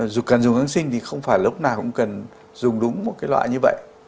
dù cần dùng kháng sinh thì không phải lúc nào cũng cần dùng đúng một cái loại như vậy